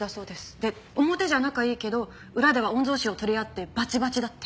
で表じゃ仲いいけど裏では御曹司を取り合ってバチバチだって。